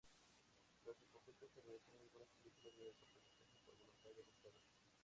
Tras el conflicto se realizaron algunas películas de cortometraje por voluntad del Estado.